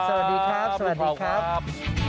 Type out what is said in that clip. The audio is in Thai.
สวัสดีครับสวัสดีครับ